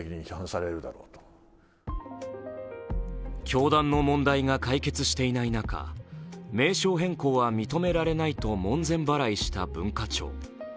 教団の問題が解決していない中、名称変更は認められないと門前払いした文化庁。